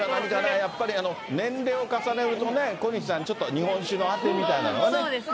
やっぱり年齢を重ねるとね、小西さん、ちょっと日本酒のあてみたいなのね。